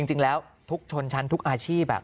จริงแล้วทุกชนชั้นทุกอาชีพ